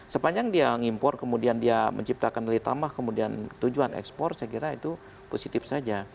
sepanjang dia ngimpor kemudian dia menciptakan nilai tambah kemudian tujuan ekspor saya kira itu positif saja